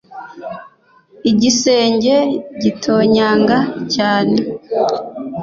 igisenge gitonyanga cyane,